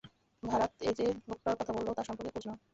ভারাথ, ও যে লোকটার কথা বললো তার সম্পর্কে খোঁজ নাও।